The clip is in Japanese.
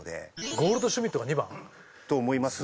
ゴールドシュミットが２番？と思いますね。